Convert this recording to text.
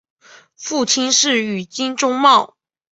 父亲是宇津忠茂。